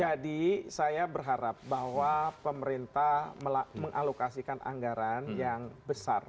jadi saya berharap bahwa pemerintah mengalokasikan anggaran yang besar